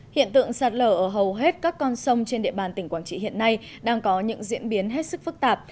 hiện tượng sạt lở ở hầu hết các con sông trên địa bàn tỉnh quảng trị hiện nay đang có những diễn biến hết sức phức tạp